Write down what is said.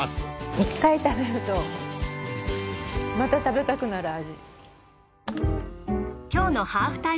１回食べるとまた食べたくなる味。